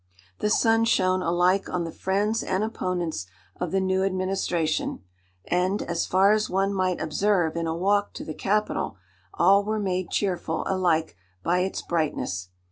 The sun shone alike on the friends and opponents of the new administration; and, as far as one might observe in a walk to the Capitol, all were made cheerful alike by its brightness.